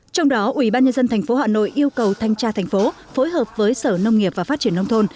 trong đó ủy ban nhân dân tp hà nội yêu cầu thanh tra thành phố phối hợp với sở nông nghiệp và phát triển nông thôn